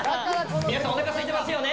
皆さんおなかすいてますよね？